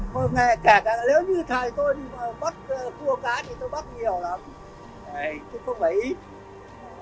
cả cả nếu như thầy tôi bắt cua cá thì tôi bắt nhiều lắm chứ không phải ít